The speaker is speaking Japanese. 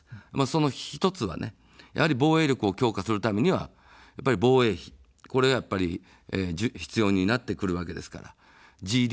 その１つは、防衛力を強化するためには防衛費、これがやっぱり必要になってくるわけですから。